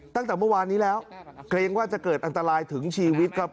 ตั้งแต่เมื่อวานนี้แล้วเกรงว่าจะเกิดอันตรายถึงชีวิตครับ